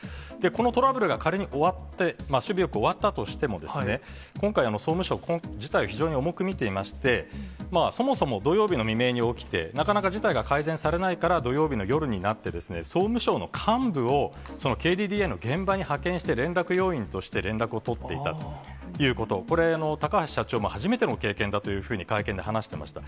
このトラブルが、仮に終わって、首尾よく終わったとしても、今回、総務省、事態をすごく重く見ていまして、そもそも土曜日の未明に起きて、なかなか事態が改善されないから、土曜日の夜になって、総務省の幹部を、ＫＤＤＩの現場に派遣して、連絡要員として連絡を取っていたということ、これ、高橋社長も初めての経験だというふうに、会見で話してました。